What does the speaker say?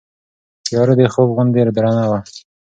تیاره د خوب غوندې درنه وه.